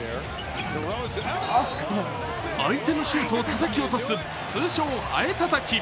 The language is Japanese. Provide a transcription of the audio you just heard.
相手のシュートをたたき落とす通称・ハエたたき。